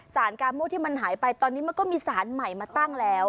กาโม่ที่มันหายไปตอนนี้มันก็มีสารใหม่มาตั้งแล้ว